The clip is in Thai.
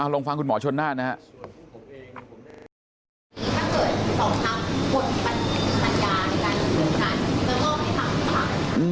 ลองฟังคุณหมอชนน่านนะครับ